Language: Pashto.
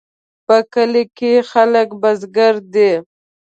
په کلي کې خلک بزګر دي